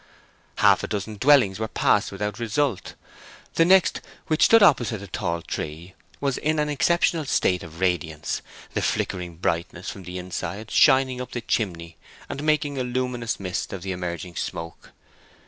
Half a dozen dwellings were passed without result. The next, which stood opposite a tall tree, was in an exceptional state of radiance, the flickering brightness from the inside shining up the chimney and making a luminous mist of the emerging smoke.